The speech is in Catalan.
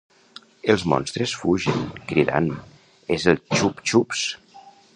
Els monstres fugen, cridant, "és el ChubbChubbs!"